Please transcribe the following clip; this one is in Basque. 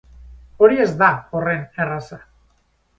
Hori ez da horren erraza.